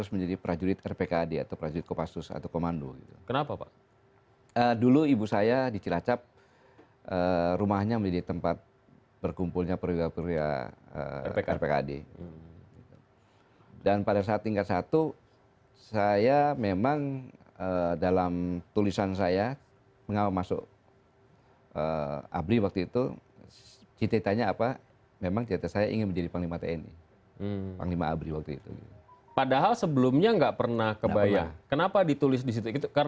menyelamatkan saya akhirnya saya berpikir saya anak pertama saya harus melanjutkan keturunan